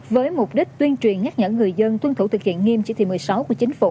với mục đích tuyên truyền nhắc nhở người dân tuân thủ thực hiện nghiêm chỉ thị một mươi sáu của chính phủ